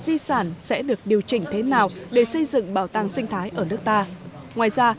di sản sẽ được điều chỉnh thế nào để xây dựng bảo tàng sinh thái ở nước ta ngoài ra